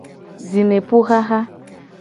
Jimepuxaxa.